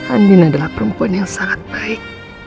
andin adalah perempuan yang sangat baik